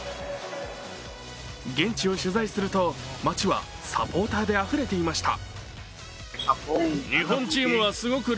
現地を取材すると、街はサポーターであふれていました。